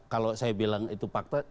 kalau saya bilang itu fakta